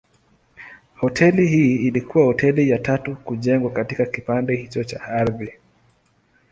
Hoteli hii ilikuwa hoteli ya tatu kujengwa katika kipande hicho cha ardhi.